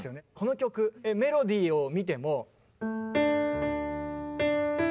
この曲メロディーを見ても。